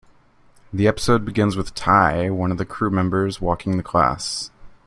The episode begins with Ty, one of the crew members, walking to class.